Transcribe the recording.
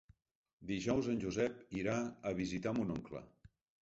Dijous en Josep irà a visitar mon oncle.